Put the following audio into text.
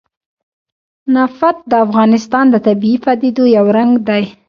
نفت د افغانستان د طبیعي پدیدو یو رنګ دی.